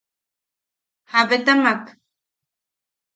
–¿Jabetamak?